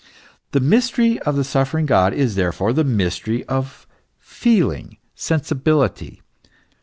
The mystery of the suffering God is therefore the mystery of feeling, sensibility.